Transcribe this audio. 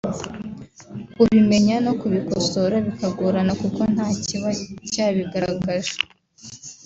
kubimenya no kubikosora bikagorana kuko ntakiba cyabigaragaje